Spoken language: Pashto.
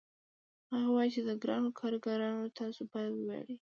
هغه وايي چې ګرانو کارګرانو تاسو باید وویاړئ